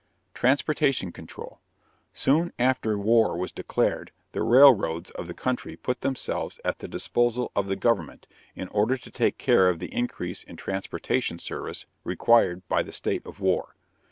TRANSPORTATION CONTROL. Soon after war was declared, the railroads of the country put themselves at the disposal of the government in order to take care of the increase in transportation service required by the state of war.